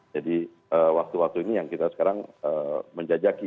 jadi waktu waktu ini yang kita sekarang menjajaki